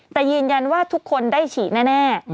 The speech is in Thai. แต่ยืนยันว่าทุกคนได้ฉีดแน่